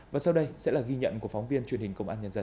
và sau đây sẽ là ghi nhận của phóng viên truyền hình công an nhân dân